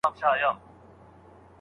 د ماشومانو سالمه روزنه اسانه کار نه دی.